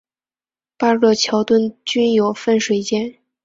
八个桥墩均有分水尖。